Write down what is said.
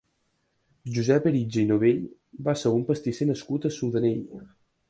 Josep Eritja i Novell va ser un pastisser nascut a Sudanell.